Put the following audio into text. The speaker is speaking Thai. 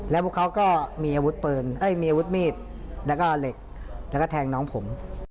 แล้วพวกเขาก็มีอาวุธมีดแล้วก็เหล็กแล้วก็แทงน้องผม